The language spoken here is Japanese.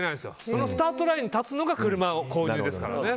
そのスタートラインに立つのが車を購入ですからね。